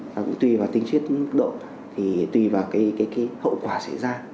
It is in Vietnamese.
và cũng tùy vào tính chất mức độ thì tùy vào cái hậu quả xảy ra